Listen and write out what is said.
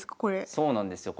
そうなんですよ。